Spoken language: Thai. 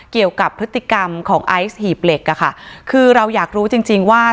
เกี่ยวกับพฤติกรรมของไอซ์หีบเหล็กอะค่ะคือเราอยากรู้จริงจริงว่า